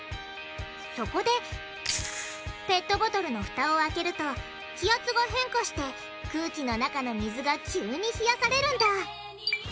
そこでペットボトルのふたを開けると気圧が変化して空気の中の水が急に冷やされるんだ。